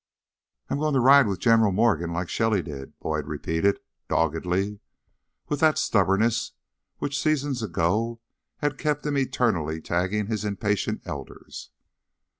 "I'm goin' to ride with General Morgan, like Shelly did," Boyd repeated doggedly, with that stubbornness which seasons ago had kept him eternally tagging his impatient elders.